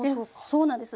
そうなんです。